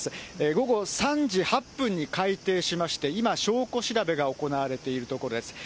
午後３時８分に開廷しまして、今、証拠調べが行われているところです。